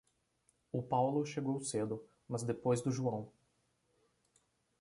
O Paulo chegou cedo, mas depois do João.